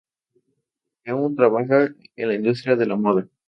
Eun trabaja en la industria de la moda.